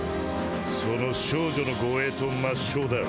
その少女の護衛と抹消だ。